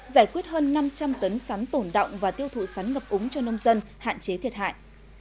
giải quyết hơn năm trăm linh tấn sắn tổn động và tiêu thụ sắn ngập úng cho nông dân hạn chế thiệt hại